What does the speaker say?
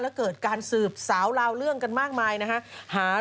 แล้วเกิดการสืบสาวราวเรื่องกันมากมายนะฮะ